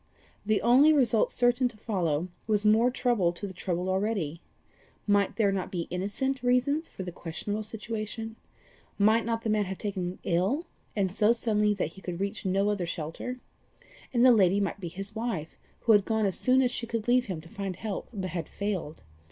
The only result certain to follow, was more trouble to the troubled already. Might there not be innocent reasons for the questionable situation? Might not the man have been taken ill, and so suddenly that he could reach no other shelter? And the lady might be his wife, who had gone as soon as she could leave him to find help, but had failed.